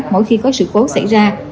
mỗi khi có sự cố xảy ra